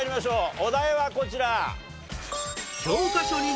お題はこちら。